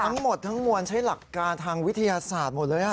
ทั้งหมดทั้งมวลใช้หลักการทางวิทยาศาสตร์หมดเลย